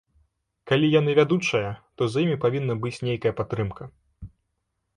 Калі яны вядучыя, то за імі павінна быць нейкая падтрымка.